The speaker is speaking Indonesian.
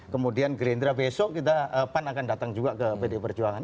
kemudian gerindra besok kita pan akan datang juga ke pdi perjuangan